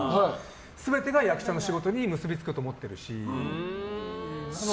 全てが役者の仕事に結びつくと思ってるし。